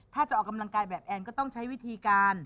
ถ้าจะออกกำลังกายแบบแอนก็ต้องใช้วิธีการ